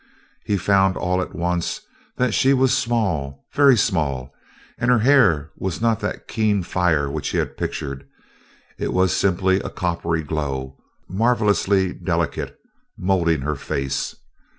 He found all at once that she was small, very small; and her hair was not that keen fire which he had pictured. It was simply a coppery glow, marvelously delicate, molding her face.